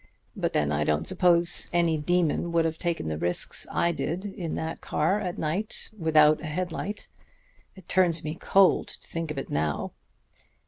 But then I don't suppose any demon would have taken the risks I did in that car at night, without a head light. It turns me cold to think of it now.